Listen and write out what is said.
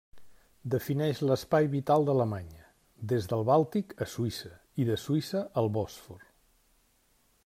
Defineix l'espai vital d'Alemanya: des del Bàltic a Suïssa i de Suïssa al Bòsfor.